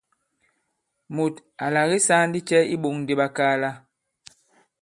Mùt à làke saa ndi cɛ i iɓōŋ di ɓakaala ?